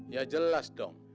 ya jelas dong